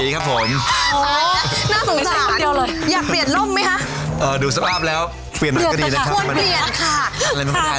คนเปลี่ยนค่ะ